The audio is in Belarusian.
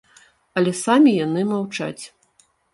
Але самі яны маўчаць.